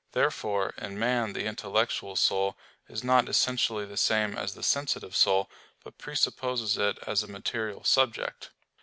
Therefore in man the intellectual soul is not essentially the same as the sensitive soul, but presupposes it as a material subject.